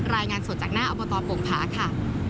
รายงานสดจากหน้าอบตโป่งผาค่ะ